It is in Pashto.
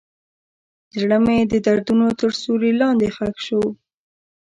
زړه مې د دردونو تر سیوري لاندې ښخ شو.